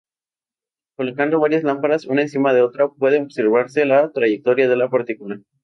Colocando varias cámaras una encima de otra, puede observarse la trayectoria de la partícula.